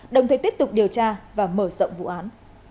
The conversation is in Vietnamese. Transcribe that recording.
đồng thời tiếp tục điều tra và mở rộng vụ án